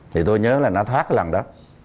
thì tôi nhớ là nó thoát cái lần đó